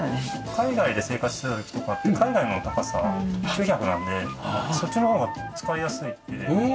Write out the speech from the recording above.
海外で生活してた時とかって海外の高さ９００なんでそっちの方が使いやすいって言ってたので。